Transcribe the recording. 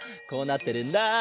こうなってるんだ。